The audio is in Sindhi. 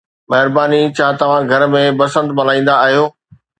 مهرباني. ڇا توهان گهر ۾ بسنت ملهائيندا آهيو؟